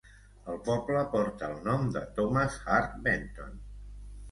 El poble porta el nom de Thomas Hart Benton.